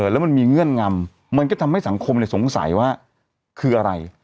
แล้วมันมีเงื่อนงำมันก็ทำให้สังคมสงสัยว่าคืออะไร